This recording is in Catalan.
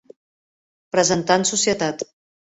Presentar en societat.